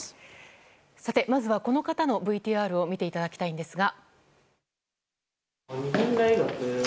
まずは、この方のＶＴＲを見ていただきたいんですが。